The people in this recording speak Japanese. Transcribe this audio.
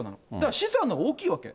資産のほうが大きいわけ。